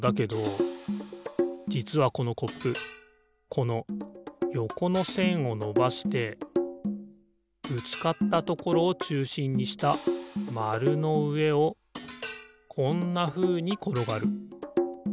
じつはこのコップこのよこのせんをのばしてぶつかったところをちゅうしんにしたまるのうえをこんなふうにころがる。